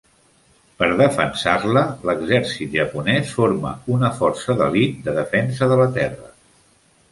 Per defensar-la, l'exèrcit japonès forma una força d'elit de defensa de la Terra.